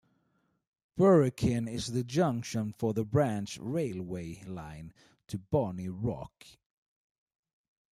Burakin is the junction for the branch railway line to Bonnie Rock.